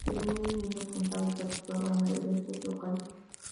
Desde muy niño cantaba y participaba en eventos locales.